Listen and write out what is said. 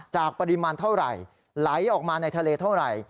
ปริมาณเท่าไหร่ไหลออกมาในทะเลเท่าไหร่